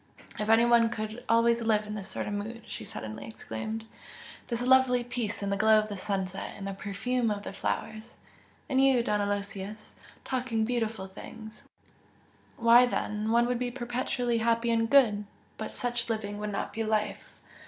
"If one could always live in this sort of mood!" she suddenly exclaimed "This lovely peace in the glow of the sunset and the perfume of the flowers! and you, Don Aloysius, talking beautiful things! why then, one would be perpetually happy and good! But such living would not be life!